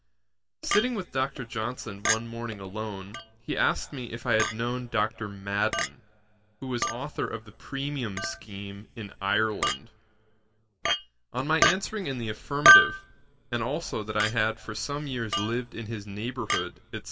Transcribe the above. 'Sitting with Dr. Johnson one morning alone, he asked me if I had known Dr. Madden, who was authour of the premium scheme in Ireland. On my answering in the affirmative, and also that I had for some years lived in his neighbourhood, &c.